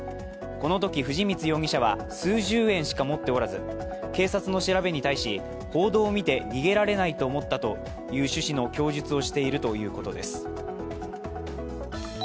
このとき藤光容疑者は数十円しか持っておらず警察の調べに対し、報道を見て逃げられないと思ったという趣旨の供述をしているということです。